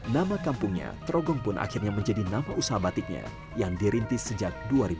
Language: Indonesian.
nama kampungnya trogong pun akhirnya menjadi nama usaha batiknya yang dirintis sejak dua ribu